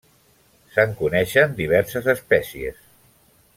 Se'n coneixen diverses espècies.